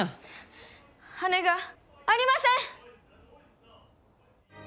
羽がありません！